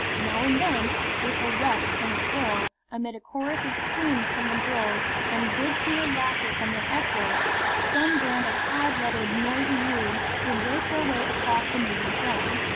Now and then, with a rush and a swirl, amid a chorus of screams from the girls and good humoured laughter from their escorts, some band of high blooded, noisy youths would break their way across the moving throng.